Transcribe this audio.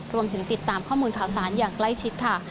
รวมถึงติดตามข้อมูลข่าวสารอย่างใกล้ชิดค่ะ